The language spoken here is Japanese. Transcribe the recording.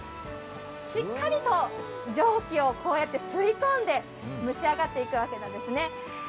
しっかりと蒸気をこうやって吸い込んで蒸し上がっていくわけです。